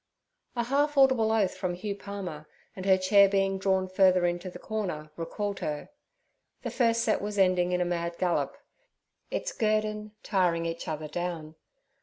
A half audible oath from Hugh Palmer, and her chair being drawn further into the corner, recalled her. The first set was ending in a mad gallop; its guerdon, tiring each other down.